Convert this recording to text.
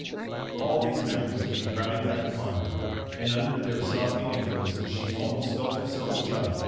All these memories came crowding back upon her and under their softening influences she almost felt herself a child again.